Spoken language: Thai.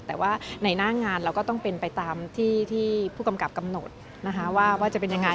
แต่ว่าในหน้างานเราก็ต้องเป็นไปตามที่ผู้กำกับกำหนดนะคะว่าจะเป็นยังไง